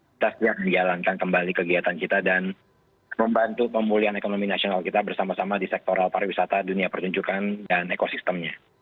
kita siap menjalankan kembali kegiatan kita dan membantu pemulihan ekonomi nasional kita bersama sama di sektor pariwisata dunia pertunjukan dan ekosistemnya